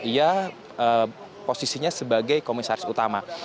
ia posisinya sebagai komisaris utama